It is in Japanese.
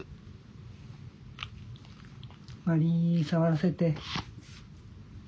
まり触らせて。